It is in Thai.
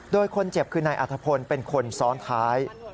โดยคนเจ็บคือนายอัธพลเป็นคนซ้อนท้าย